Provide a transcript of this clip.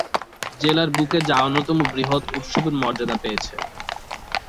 জেলার বুকে যা অন্যতম বৃহৎ উৎসবের মর্যাদা পেয়েছে।